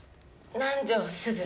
南条すず。